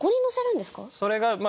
それがまあ